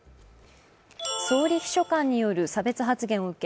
総理秘書官による差別発言を受け